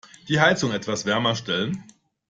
Die Heizung etwas wärmer stellen.